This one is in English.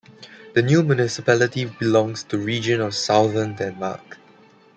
The new municipality belongs to Region of Southern Denmark.